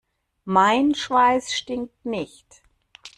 Mein Schweiß stinkt nicht.